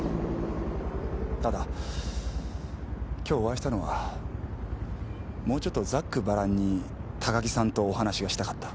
ただ今日お会いしたのはもうちょっとざっくばらんに高木さんとお話がしたかった。